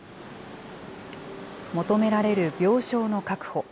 求められる病床の確保。